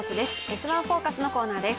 「Ｓ☆１フォーカス」のコーナーです。